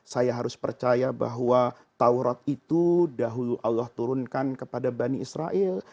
saya harus percaya bahwa taurat itu dahulu allah turunkan kepada bani israel